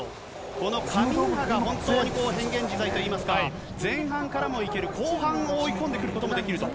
このカミンハが本当に変幻自在といいますか、前半からもいける、後半追い込んでくることもできると。